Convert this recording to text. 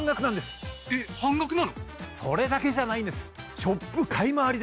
それだけじゃないんです。